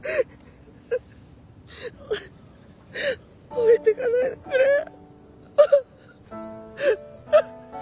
置いてかないでくれよ。